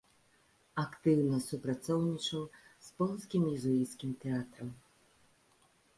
Актыўна супрацоўнічаў з полацкім езуіцкім тэатрам.